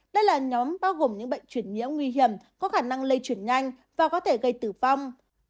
đây là nhóm bao gồm những bệnh chuyển nhiễm nguy hiểm có khả năng lây chuyển nhanh và có thể gây tử vong